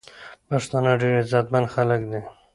پښتانه ډیر عزت مند خلک دی.